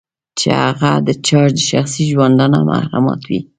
چې هغه د چا د شخصي ژوندانه محرمات وي.